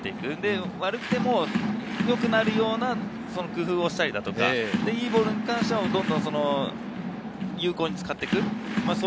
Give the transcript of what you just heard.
悪くてもよくなるような工夫をしたりだとか、いいボールに関しては有効に使っていく。